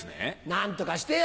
何とかしてよ！